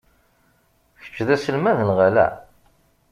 Kečč d aselmad neɣ ala?